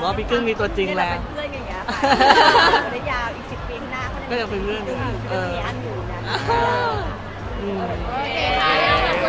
เราก็ไม่ได้อีกติดลงอะไรก็ต้องมุบใจดนตรีเฉพาะค่ะ